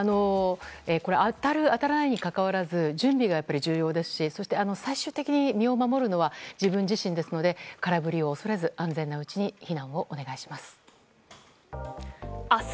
これは当たる当たらないにかかわらず準備が重要ですし最終的に身を守るのは自分自身なので空振りを恐れず安全なうちに避難をお願いします。